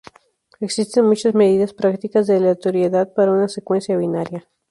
Existen muchas medidas prácticas de aleatoriedad para una secuencia binaria.